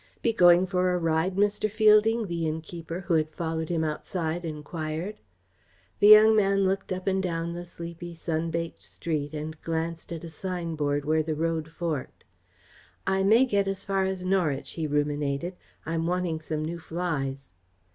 "Be going for a ride, Mr. Fielding?" the innkeeper, who had followed him outside, enquired. The young man looked up and down the sleepy sun baked street, and glanced at a signboard where the road forked. "I may get as far as Norwich," he ruminated. "I'm wanting some new flies."